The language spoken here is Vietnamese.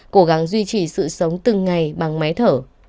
cố gắng duy trì sự sống từng ngày bằng máy thở